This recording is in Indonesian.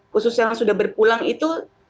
khususnya yang sudah berpulang itu